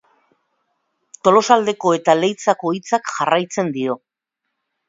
Tolosaldeko eta Leitzako Hitzak jarraitzen dio.